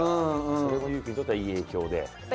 それも有君にとってはいい影響なのかなと。